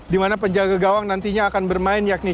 dimana penjaga gawang nantinya akan bermain yakni